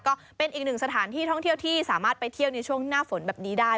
ก็เป็นอีกหนึ่งสถานที่ท่องเที่ยวที่สามารถไปเที่ยวในช่วงหน้าฝนแบบนี้ได้